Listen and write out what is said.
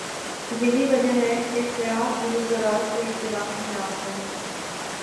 یہی وجہ ہے کہ سیاح دور دراز سے اس علاقے میں آتے ہیں ۔